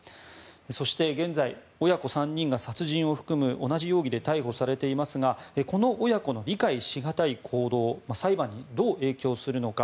そして、現在親子３人が殺人を含む同じ容疑で逮捕されていますがこの親子の理解し難い行動裁判に、どう影響するのか。